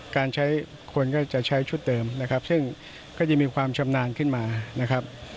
การใช้คนก็จะใช้ชุดเดิมนะครับซึ่งก็จะมีความชำนาญขึ้นมานะครับ